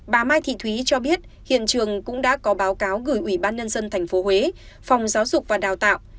bà mai thị thúy cho biết hiện trường cũng đã có báo cáo gửi ủy ban nhân dân tp huế phòng giáo dục và đào tạo